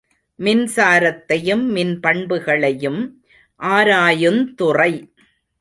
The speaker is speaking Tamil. மின்சாரத்தையும் மின்பண்புகளையும் ஆராயுந்துறை.